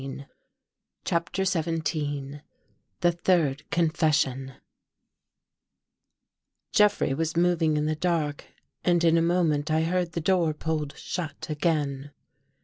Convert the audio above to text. I CHAPTER XVII THE THIRD CONFESSION J EFFREY was moving in the dark and in a moment I heard the door pulled shut again.